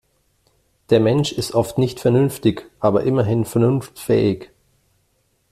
Der Mensch ist oft nicht vernünftig, aber immerhin vernunftfähig.